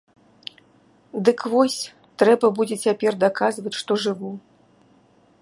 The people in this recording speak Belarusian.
Дык вось, трэба будзе цяпер даказваць, што жыву.